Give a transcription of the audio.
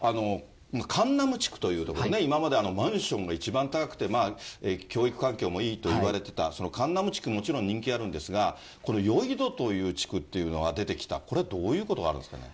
カンナム地区という所ですね、今までマンションが一番高くて、教育環境もいいといわれていたそのカンナム地区、もちろん人気あるんですが、このヨイドという地区っていうのが出てきた、これはどういうことなんですかね。